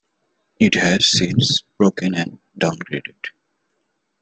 It has since broken and downgraded.